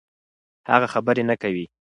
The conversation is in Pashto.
هغه خبرې نه کوي.